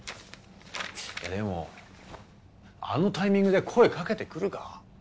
でもあのタイミングで声かけてくるか？